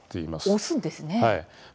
押すですね。